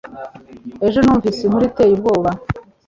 Ejo numvise inkuru iteye ubwoba.